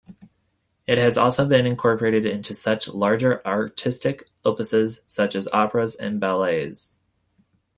It has also been incorporated into larger artistic opuses such as operas and ballets.